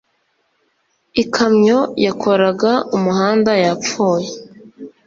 Ikamyo yakoraga umuhanda yapfuye